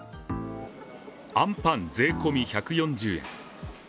あんぱん税込み１４０円。